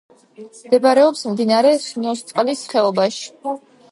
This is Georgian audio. მდებარეობს მდინარე სნოსწყლის ხეობაში.